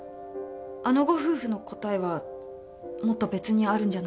あのご夫婦の答えはもっと別にあるんじゃないかって。